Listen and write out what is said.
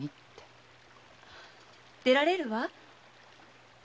出られるわ。